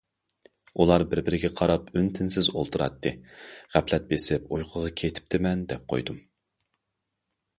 ئۇلار بىر- بىرىگە قاراپ ئۈن- تىنسىز ئولتۇراتتى،« غەپلەت بېسىپ ئۇيقۇغا كېتىپتىمەن...» دەپ قويدۇم.